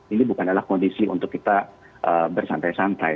ini bukan adalah kondisi untuk kita bersantai santai